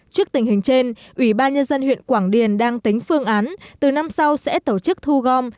trước tình hình trên ủy ban nhân dân huyện quảng điền đang tính phương án từ năm sau sẽ tổ chức thu gom